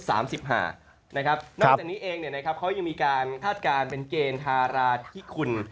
นอกจากนี้เองเขายังมีการคาดการณ์เป็นเกณฑ์ทาราธิคุณ